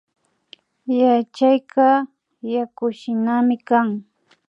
Yachayka yakushinami kan